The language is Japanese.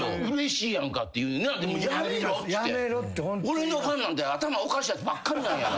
俺のファンなんて頭おかしいやつばっかり。